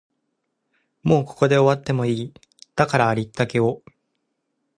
もうここで終わってもいい、だからありったけを